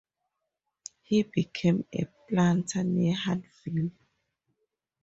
He became a planter near Huntsville.